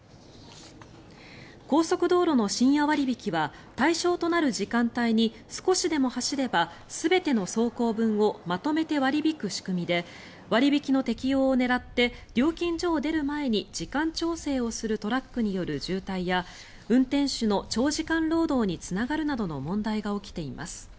高速道路の深夜割引は対象となる時間帯に少しでも走れば全ての走行分をまとめて割り引く仕組みで割引の適用を狙って料金所を出る前に時間調整をするトラックによる渋滞や運転手の長時間労働につながるなどの問題が起きています。